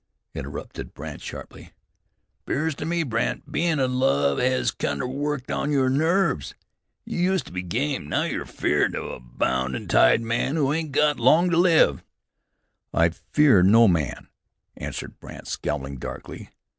interrupted Brandt sharply. "'Pears to me, Brandt, bein' in love hes kinder worked on your nerves. You used to be game. Now you're afeerd of a bound an' tied man who ain't got long to live." "I fear no man," answered Brandt, scowling darkly.